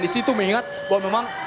di situ mengingat bahwa memang